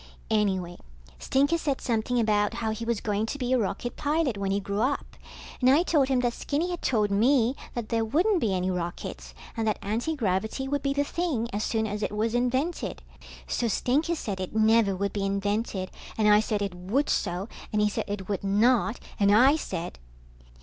Anyway, Stinker said something about how he was going to be a rocket pilot when he grew up, and I told him that Skinny had told me that there wouldn't be any rockets, and that antigravity would be the thing as soon as it was invented. So Stinker said it never would be invented, and I said it would so, and he said it would not, and I said